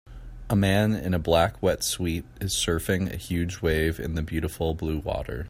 A man in a black wet suite is surfing a huge wave in the beautiful blue water.